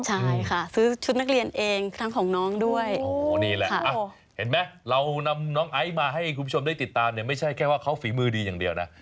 ใช่ค่ะซื้อชุดนักเรียนเองทั้งของน้องด้วยโอ้นี่แหละเห็นไหมเรานำน้องไอซ์มาให้คุณผู้ชมได้ติดตามเนี่ยไม่ใช่แค่ว่าเขาฝีมือดีอย่างเดียวนะ